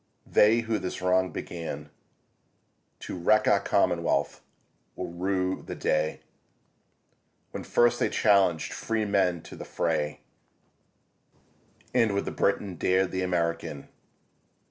They who this wrong began To wreck our commonwealth, will rue the day When first they challenged freemen to the fray, And with the Briton dared the American.